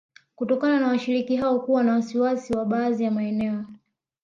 Kutokana na washiriki hao kuwa na wasiwasi wa baadhi ya maeneo